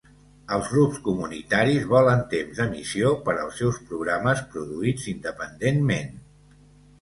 Els grups comunitaris volen temps d'emissió per als seus programes produïts independentment.